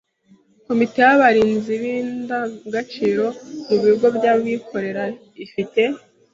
Komite y’abarinzi b’indangagaciro mu bigo by’abikorera ifi te